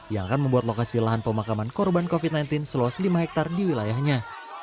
yang akan membuat lokasi lahan pemakaman korban covid sembilan belas seluas lima hektare di wilayahnya